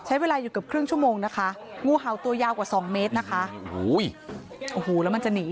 ใช้เวลาอยู่กับครึ่งชั่วโมงงูเขาตัวยาวกว่า๒เมตร